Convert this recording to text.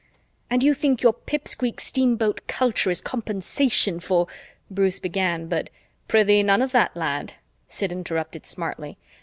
"And you think your pipsqueak steamboat culture is compensation for " Bruce began but, "Prithee none of that, lad," Sid interrupted smartly.